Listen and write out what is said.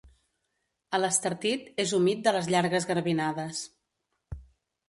A l'Estartit és humit de les llargues garbinades.